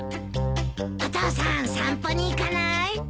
お父さん散歩に行かない？